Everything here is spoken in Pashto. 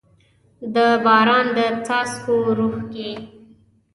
د باران د څاڅکو روح کې